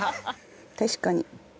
確かに。